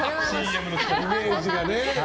イメージがね。